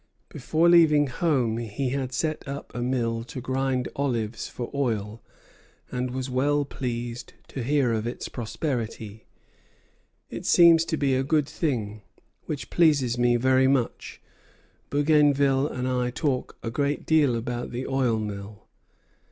Before leaving home he had set up a mill to grind olives for oil, and was well pleased to hear of its prosperity. "It seems to be a good thing, which pleases me very much. Bougainville and I talk a great deal about the oil mill."